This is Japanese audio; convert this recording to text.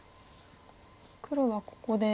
黒はここで。